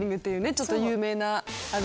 ちょっと有名な。